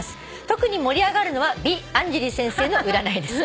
「特に盛り上がるのは美・アンジェリー先生の占いです」